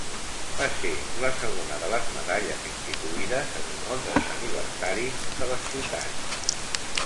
Va ser la segona de les medalles instituïdes en honor dels aniversaris de les ciutats.